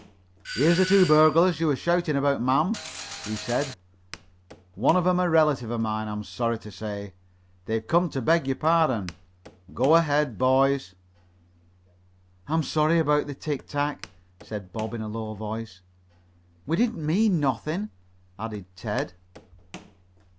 "Here's the burglars you were shouting about, ma'am," he said. "One of 'em a relative of mine, I'm sorry to say. They've come to beg your pardon. Go ahead, boys." "I'm sorry about the tic tac," said Bob in a low voice. "We didn't mean nothin'," added Ted.